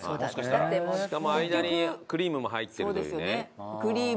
しかも間にクリームも入ってるというね。